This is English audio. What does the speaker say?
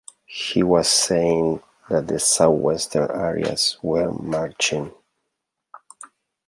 He was saying that the south-western areas were marching.